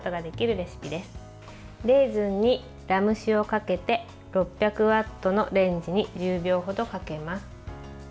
レーズンにラム酒をかけて６００ワットのレンジに１０秒ほどかけます。